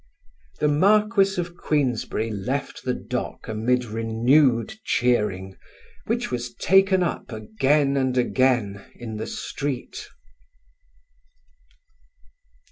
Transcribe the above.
The Marquis of Queensberry left the dock amid renewed cheering, which was taken up again and again in the street.